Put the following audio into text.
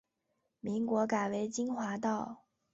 民国改为金华道。